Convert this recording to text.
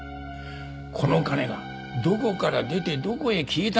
この金がどこから出てどこへ消えたのか。